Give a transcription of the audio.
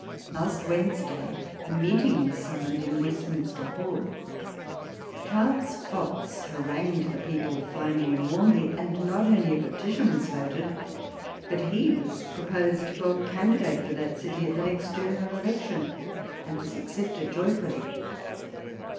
Last Wednesday a meet ing was summoned in Westminster Hall : Charles Fox harangued the people finely and warmly ; and not only a petition was voted, but he was proposed for candidate for that city at the next general election, and was accepted joyfully.